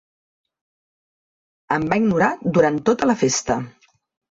Em va ignorar durant tota la festa.